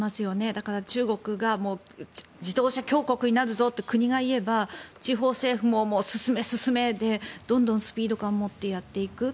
だから中国が自動車強国になるぞと国が言えば地方政府も進め、進めでどんどんスピード感を持ってやっていく。